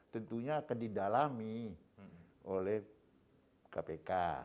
tentunya akan didalami oleh kpk